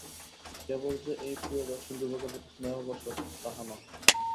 কেবল যে এই প্রিয়দর্শন যুবকের প্রতি স্নেহবশত তাহা নহে।